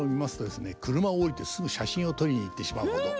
車を降りてすぐ写真を撮りに行ってしまうほど。